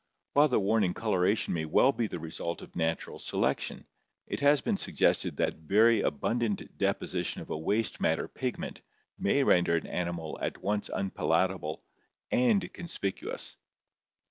While the warning coloration may well be the result of natural selection, it has been suggested that very abundant deposition of a waste matter pigment may render an animal at once unpalatable and conspicuous.